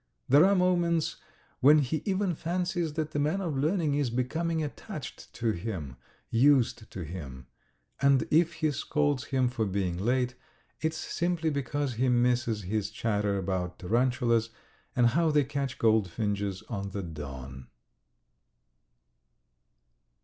There are moments when he even fancies that the man of learning is becoming attached to him, used to him, and that if he scolds him for being late, it's simply because he misses his chatter about tarantulas and how they catch goldfinches on the Don.